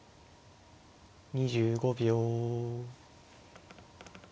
２５秒。